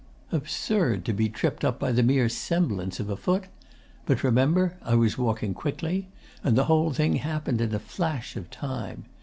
'Absurd to be tripped up by the mere semblance of a foot? But remember, I was walking quickly, and the whole thing happened in a flash of time.